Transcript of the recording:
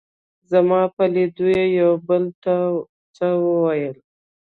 زما په لیدو یې یو او بل ته څه وویل.